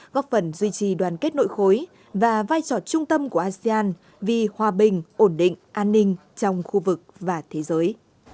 góp phần duy trì đoàn kết nội khối và vai trò trung tâm của asean vì hòa bình ổn định an ninh trong khu vực và thế giới